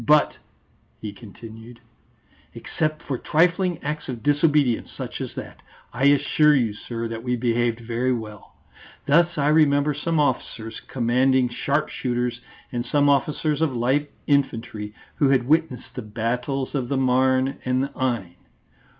But," he continued, "except for trifling acts of disobedience such as that, I assure you, sir, that we behaved very well. Thus I remember some officers commanding sharp shooters and some officers of light infantry, who had witnessed the Battles of the Marne and the Aisne.